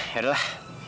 ya udah lah